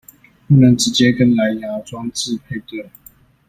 不能直接跟藍芽裝置配對